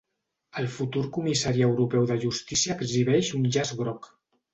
El futur comissari europeu de Justícia exhibeix un llaç groc